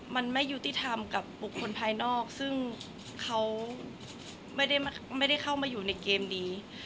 มันไม่ยุติธรรมกับบุคคลภายนอกซึ่งเขาไม่ได้เข้ามาอยู่ในเกมนี้